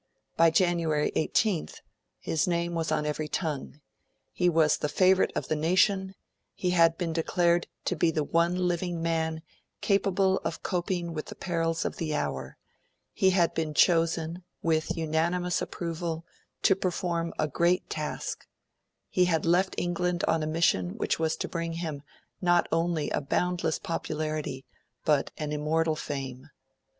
By January 18th, his name was on every tongue, he was the favourite of the nation, he had been declared to be the one living man capable of coping with the perils of the hour; he had been chosen, with unanimous approval, to perform a great task; and he had left England on a mission which was to bring him not only a boundless popularity, but an immortal fame.